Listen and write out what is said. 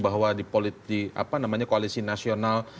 bahwa di koalisi nasional